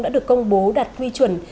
đã được công bố đạt quy chuẩn